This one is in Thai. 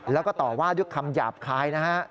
แล้วก็ต่อว่าด้วยคำหยาบคายนะฮะ